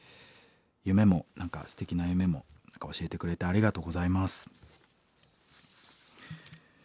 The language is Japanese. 夢も何かステキな夢も教えてくれてありがとうございます。